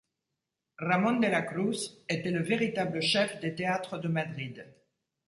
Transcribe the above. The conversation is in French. Ramón de la Cruz était le véritable chef des théâtres de Madrid.